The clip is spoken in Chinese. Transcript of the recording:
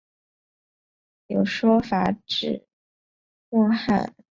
有说法指穆罕默德的伙伴波斯人塞尔曼亦被视为圣裔。